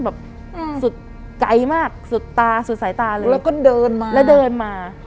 แบบสุดไกลมากสุดตาสุดสายตาเลยแล้วก็เดินมาแล้วเดินมา